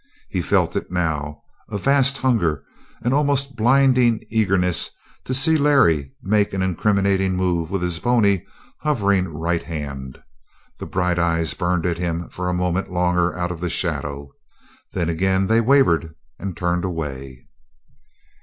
He felt it now, a vast hunger, an almost blinding eagerness to see Larry make an incriminating move with his bony, hovering right hand. The bright eyes burned at him for a moment longer out of the shadow. Then, again, they wavered, and turned away.